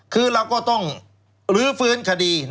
คือเราก็ต้องลื้อฟื้นคดี